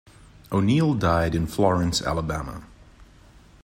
O'Neal died in Florence, Alabama.